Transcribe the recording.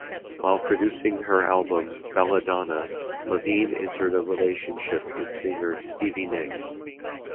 While producing her album "Bella Donna", Iovine entered a relationship with singer Stevie Nicks.